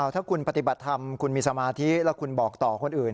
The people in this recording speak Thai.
ถ้าคุณปฏิบัติธรรมคุณมีสมาธิแล้วคุณบอกต่อคนอื่น